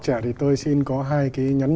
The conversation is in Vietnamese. trẻ thì tôi xin có hai cái nhắn nhủ